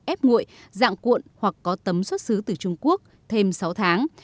ép nguội dạng cuộn hoặc có tấm xuất xứ từ trung quốc thêm sáu tháng